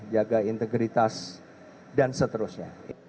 jaga integritas dan seterusnya